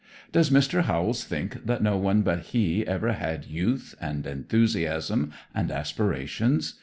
Does Mr. Howells think that no one but he ever had youth and enthusiasm and aspirations?